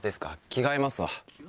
着替えますわ。